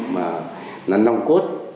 mà nó nong cốt